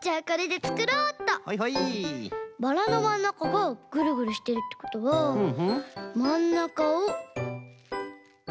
バラのまんなかがぐるぐるしてるってことはまんなかをぐるっ。